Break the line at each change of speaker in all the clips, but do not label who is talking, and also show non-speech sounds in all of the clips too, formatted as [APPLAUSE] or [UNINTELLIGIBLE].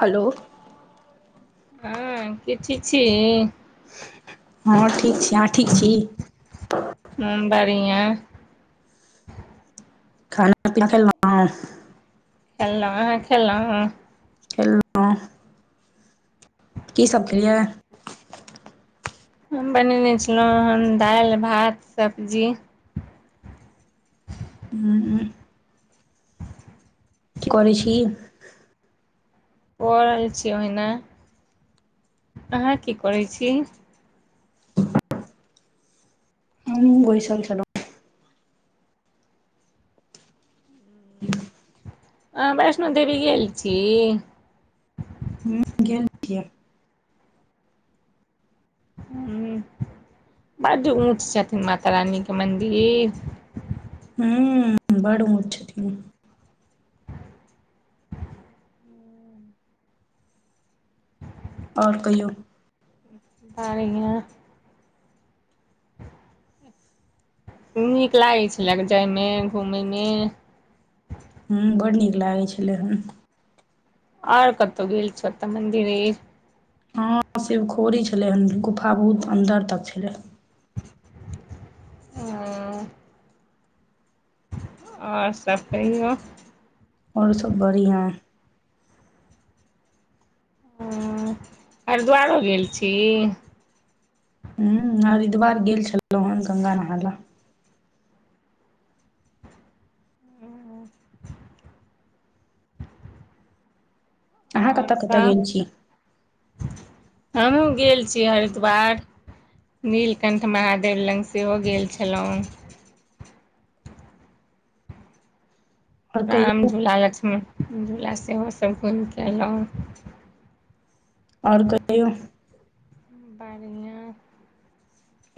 Hello
हँ की ठिक छी।
हँ ठीक छी अहाँ ठीक छी।
हूॅं बढ़िया
खाना पीना खेलंउ और स
खेलउं अहाँ खेलउं?
खेलौं। की सभ खेलियै
हम बनेने छलहुँ हन दालि, भात, सब्जी
[INAUDIBLE] की करय छी?
पड़ल छी ओहिना अहाँ की करै छी।
हमहूँ बैसल छलहुँ
अहाँ वैष्णो देवी गेल छी?
हँ गेल छियै।
हूं बड्ड ऊँच छथिन्ह माता रानी के मन्दिर
हूँ बड़ उॅंच छथिन्ह। आओर कहियौ
[UNINTELLIGIBLE] खूब नीक लागै छलै जायमे घुमय मे
हँ बड्ड नीक लागै छलै हें
आओर कतौ गेल छथि मन्दिर ई
हँ शिवखोड़ी छलै हन गुफा बहुत अन्दर तक छलै।
ओ आओर सब कहियौ।
आओर सब बढ़िया
हँ हरिद्वारो गेल छी?
हूं हरिद्वार गेल छलहुँ हेढं गंगा नहाय ल अहाँ
आओर
कतऽ कतऽ
सब
गेल छी
हमहूँ गेल छी हरिद्वार नीलकण्ठ महादेव लग सेहो गेल छलहुँ हम
आओर
राम
कहियौ
झूला, लक्ष्मण झूला सेहो सभ घुमि कऽ एलहुँ
आओर कहियौ
[UNINTELLIGIBLE]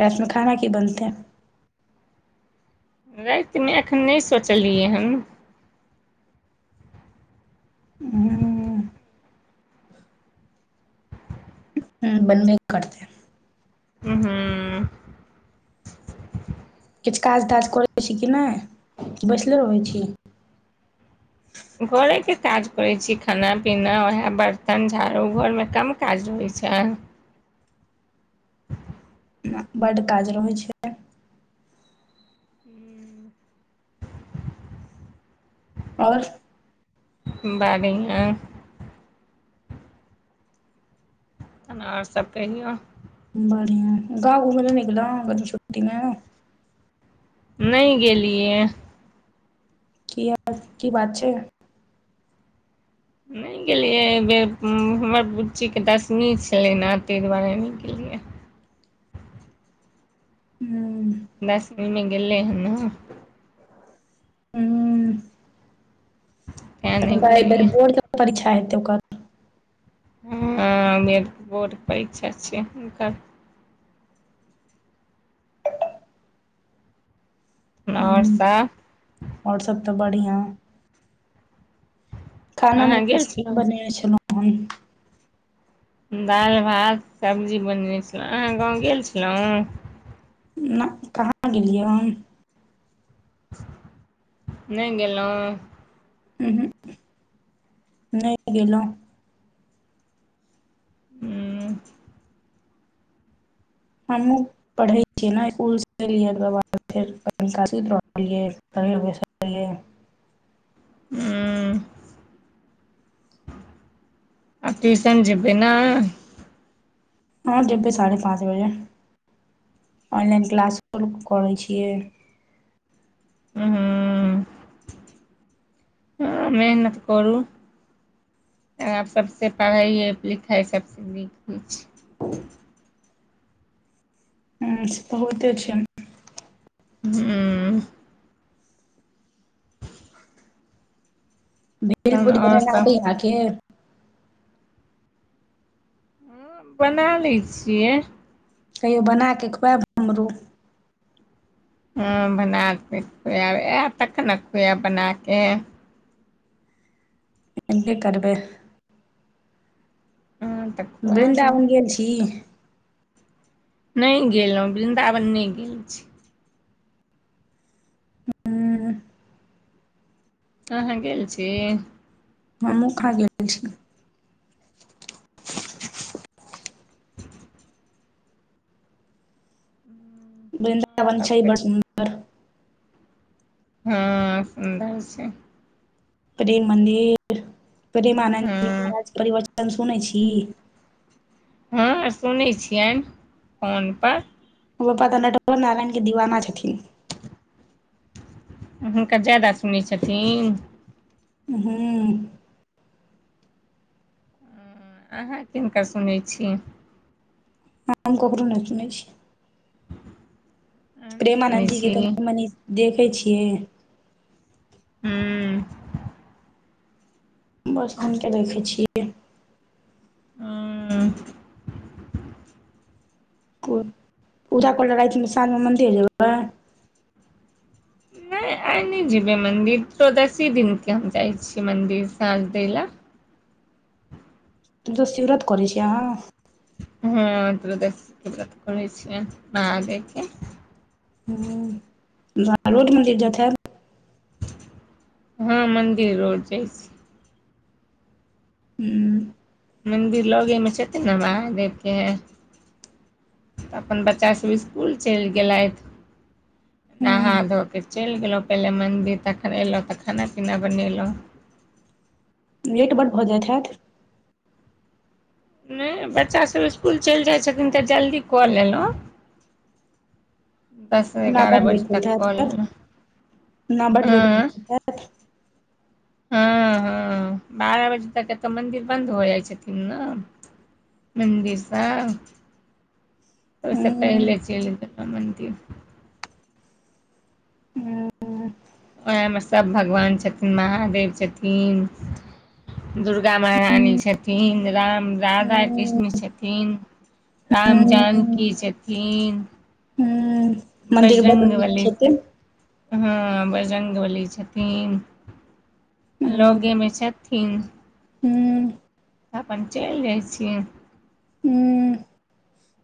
राति मे खाना की बनतै?
रातिमे एखन नहि सोचलियै हन
[UNINTELLIGIBLE]
ृ‌‍ [INAUDIBLE]
बर नहि कट
[UNINTELLIGIBLE]
किछ काज-ताज करय छी कि नइ, कि बैठले रहय छी।
घरेके काज करै छी, खाना-पीना उहे बर्तन झाड़ू, घर में कम काज रहै छैय।
बड्ड काज रहै छैय। आओर।
बारी के। तखन आओर सब कहियौ।
बढ़िया, गाँव घूमय ले नहि गेलहुँ गरमी छुट्टी में।
नहि गेलियै।
किये, की बात छैय।
नहि गेलियै अहि बेेर, हमर बुच्चीके दसमी छलै ने ताहि दुआरे नहि गेलियै।
हूँ।
दसमी में गेलै हें न।
हूँ, हूँ।
तें नहि
अगिला बेर
गेलियै
बोर्ड परीक्षा हेतय ओकर।
हँ, अइ बेर बोर्ड परीक्षा छियै हुनकर। आओर
ह
सब
आओर सब तऽ बढ़िया। खाना
अहाँ
में
गेल
कुछ
छलहुँ
बनेने छलहुँ, हन।
दालि, भात, सब्जी बनेने छलहुँ, अहाँ गाँव गेल छलहुँ।
न्अ, कहाँ गेलियै हम।
नय गेलहुँ।
उहूं, नहि गेलहुँ।
हू।
हमहूं। पढ़ै छियै ने, इसकुलसँ एलियै तकर बाद फेर अपन।
हूं। आब ट्यूशन जेबै ने।
हाँ, जेबै साढ़े सात बजे, ऑनलाइन क्लास करै छियै।
हूं, हूं मेहनत करू। आ आब सभसँ पढ़ाई-लिखाई सभसँ नीक होइ छै।
हां, से तऽ होयते छै।
हूं। तहन
भेल-पूड़ी
आओर
बनेनैय
सब
आबैय अहाँके।
हँ बना लै छियै।
कहियो बना कऽ खुआएब हमरो।
हँ, बनाके खुएब, ऐब तखन ने खुएब बनाके।
एबे करबै।
हँ तऽ। खुआ देब
बृन्दावन गेल छी।
नहि गेलहुँ, वृन्दावन नहि गेल छी।
ह
अहाँ गेल छी।
हमू कहां गेल छी।
आओर
बृन्दावन
सब
छै
कहियौ
बस।
हँ, सुन्दर छै।
प्रेम मन्दिर, प्रेमानन्दजी
हँ
महाराजक प्रवचन सुनै छी।
हँ सुनैत छियनि, फोनपर।
ओ पापा तऽ नरक नारायण के दीवाना छथिन।
हुनका ज्यादा सुनैत छथिन।
हूँ।
अहाँ कि हुनकर सुनैत छी?
हम ककरो नइ सुनै छी।
अहाँ नहि सुनै
प्रेमानन्द जीके
छी
कनि -मनि देखै छियै।
हू।
बस हुँन के देखै छियै।
हुँ।
कुर पूजा करै लेल रातिमे, साँझमे मन्दिर जेबै।
नहि आइ नहि जेबै मन्दिर, त्रोदसि दिनके हम जाइ छियै मन्दिर साँझ दै लऽ।
त्रोदसी व्रत करै छी अहा?
ह त्रोदसि के व्रत कोरइ छिय, महादेव के।
ह, अहाँ रोज मन्दिर जायत हेब।
हँ मंदिर रोज जाइ छी।
हू।
मन्दिर लगेमे छथिन ने महादेवके। तऽ अपन बच्चासभ स्कुल चलि गेलथि। नहा धो के चलि गेलहुँ पहिले मन्दिर, तखन एयलहुँ तऽ खाना- पीना बनेलहुँ।
लेट बड्ड भऽ जाइत हेत।
नहि, बच्चासभ स्कुल चलि जाइ छथिन तऽ, जल्दी कऽ लेलहुँ। दस
ओना
एगारह
बढ़ल
बजे
लेट होइत
तक कऽ
हैत।
लेलहुँ हँ हँ, हँ, बारह बजे तक एतऽ मंन्दिर बन्द हो जाइ छथिन ने। मन्दिर त ओइसे
हुँ
पहिले चलि गेलउ मन्दिर!
ओ।
ओएहमे सभ भगवान छथिन, महादेव! छथिन। दुर्गा महारानी छथिन, राम राधा
हुँ
कृष्ण छथिन, राम जानकी छथिन।
हु मन्दिर बढ़ नीक
बजरंगबली
छथिन।
हँ बजरंग बली छथिन, आ लगे मे छथिन।
हूँ।
तऽ अपन चलि जाइ छियै।
हुँ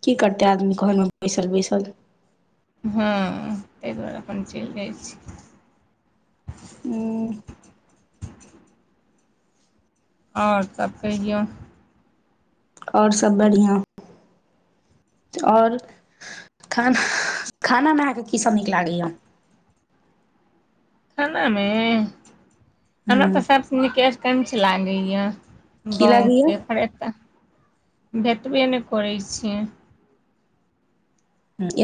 की करतै आदमी, घरमे बैसल- बैसल।
हँ ताहि दुआरे अपन चलि जाइत छी।
हू।
आओर स कहियौ।
और सब बढ़िआ। और खा खानामे अहाँके कीसभ नीक लागैए?
खानामे, हमरा
हुँ
तऽ सबसे निक एकंच लागैया।
की
गाँवक
लागैया
तऽ पर एत भेटबे नहि करै छै।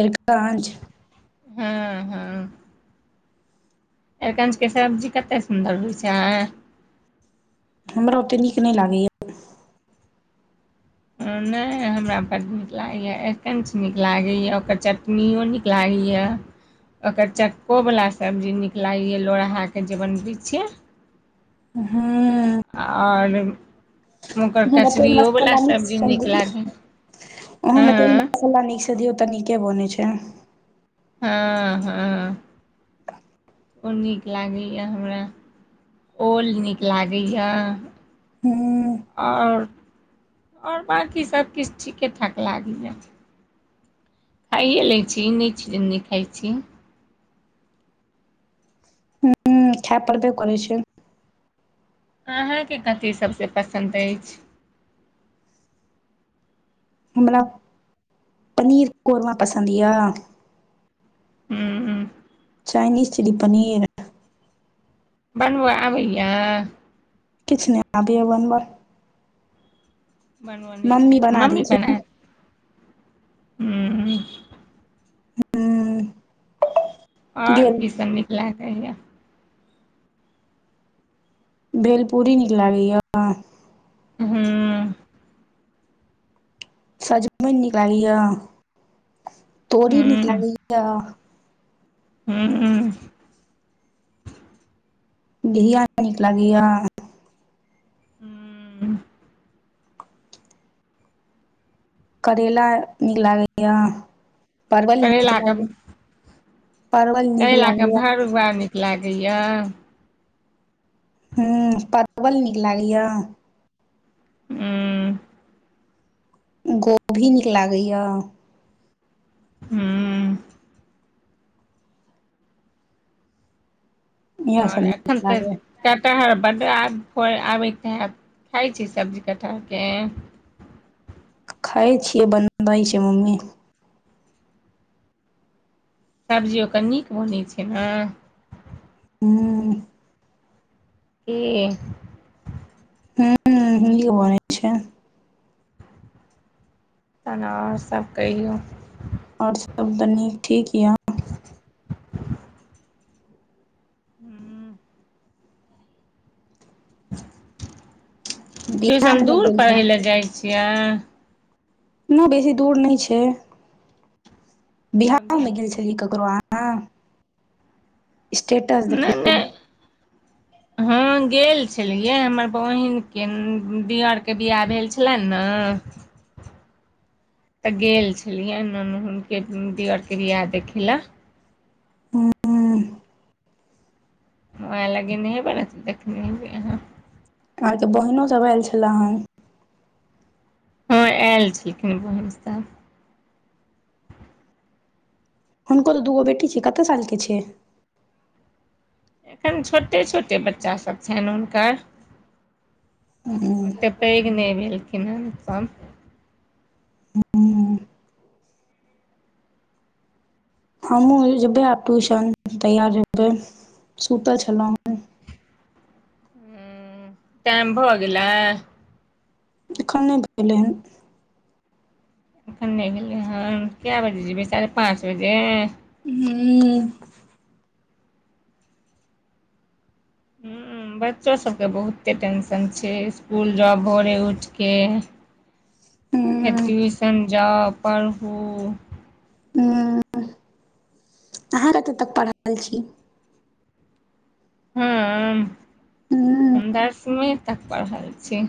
एरकंच।
हँ, हँ। एकंच के सब्जी कते सुंन्दर होय छै।
हमरा ओते नीक नहि लागैया।
हँ नइ हमरा बड्ड नीक लागया एरिकंच नीक लागैया ओकर चटनीयो नीक। [UNINTELLIGIBLE] ओकर चक्को वला सब्जी नीक लागैया लोढ़ाकेँ जे बनबै छियै।
हँअ।
आओर ओकर
ओहो मे
कचरीयोवला सब्जी नीक लागै ह।
ओहोमे तेल मसाला नीकसे दिऔ तऽ नीके बने छै।
हँ हँ ओ नीक लागैय हमरा। ओल नीक लागैय।
हुँ।
आओर आओर बाँकी सबकिछु ठीके ठाक लागैय। खाइए लै छी ई नै छै की नै खाइ छी।
हूँ खाय पड़बे करै छै।
अहाँके कथी सभसँ पसन्द अछि।
हमरा पनीर कोरमा पसन्द यऽ।
ह
चइनीज चिली पनीर।
बनबऽ आबैयऽ।
किछु नै आबैय बनबऽ।
बनब नइ आबैय
बना दै
मम्मी
छै
बनायत। ह
हूँ। [UNINTELLIGIBLE]
और
गेल
की सब नीक लागैय।
भेलपूड़ी नीक लागैयऽ।
हूँ।
सजमैनि नीक लागैयऽ तोरी नीक
ह
लागैयऽ।
हूँ।
घिया नीक लागैयऽ।
हूँ।
करैला नीक लागैय परवल नीक
करैलाके
लागै।
करेलाके भरुआ नीक लागै य।
हूँ पतवल नीक लागै य।
ह
गोभी नीक लागै य।
हूँ।
इएह
आओर
सब नीक
एखन तैक।
लागैया
कटहर बढ आब फरै आबैत हैत खाइ छी सब्जी कटहरकेँ।
खाइ छियै बनबै छै मम्मी।
सब्जि ओकर निक बनै छै न।
हूँ।
कि
हूँ निक बनै छै।
तहन आओर सब कहियौ।
आओर सभ त बड्ड निक ठीक यऽ।
हूँ। ट्यूशन
बिआहमे नहि
दूर
गेल छल
पढ़ैले जाइ छियै।
नइ बेसी दूर नै छै बिहाहोमे गेल
लगेमे
छलियै ककरो अहाँ? स्टेटस देखलूं।
नहि नहि [INAUDIBLE] हँ, गेल छलियै। हमर बहिनके न दिअरके बिआह भेल छलनि ने तऽ गेल छलियै न न हुनके दियरके बियाह देखय लए।
हूँ
हमरा लगैए नहिए [UNINTELLIGIBLE] देखने हेबै अहाँ।
अहाँके तऽ बहीनो सभ आयल छलय हन।
हँ, आयल छलखिन बहिनसभ।
हुनको तऽ दूगो बेटी छै। कतेक सालके छै?
एखन छोटे छोटे बच्चासभ छनि हुनकर।
हूँ
ओतेक पैघ नहि भेलखिन हेँ सभ।
हूँ। हमहुँ जेबय आब ट्यूशन, तैयार हेबै। सुतल छलहुँ।
ह्म, टाइम भऽ गेलय?
एखन नहि भेलै हन।
एखन नहि भेलै हन? कए बजे जेबै? साढ़े पाँच बजे?
ह्म।
ह्म, बच्चो सभकेँ बहुते टेंशन छै। स्कूल जाउ भोरे उठिके फेर
हूँ
ट्यूशन जाउ, पढ़ू।
ह्म, अहाँ कतेक तक पढ़ल छी?
हम?
हूँ
हम दसमी तक पढ़ल छी।